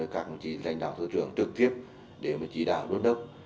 các cái lãnh đạo thư trưởng trực tiếp để mà chỉ đạo đốt đốc